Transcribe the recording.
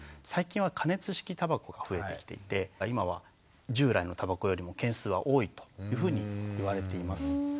最近は加熱式たばこが増えてきていて今は従来のたばこよりも件数は多いというふうにいわれています。